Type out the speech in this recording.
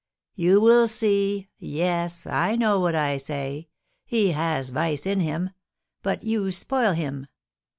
"You will see, yes! I know what I say. He has vice in him; but you spoil him.